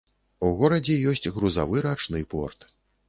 У горадзе ёсць грузавы рачны порт.